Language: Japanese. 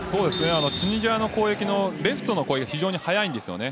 チュニジアのレフトの攻撃が非常に速いんですね。